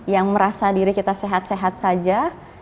yang merasa diri kita sehat sehat saja